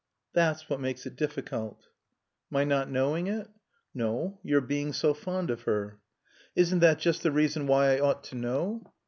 "That's what makes it difficult." "My not knowing it?" "No. Your being so fond of her." "Isn't that just the reason why I ought to know?"